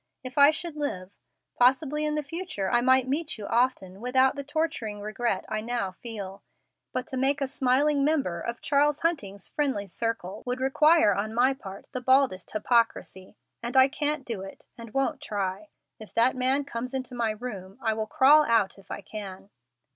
If I should live, possibly in the future I might meet you often without the torturing regret I now feel. But to make a smiling member of Charles Hunting's friendly circle would require on my part the baldest hypocrisy; and I can't do it, and won't try. If that man comes into my room, I will crawl out if I can."